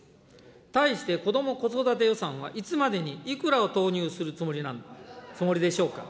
対してこども・子育て予算は、いつまでにいくらを投入するつもりでしょうか。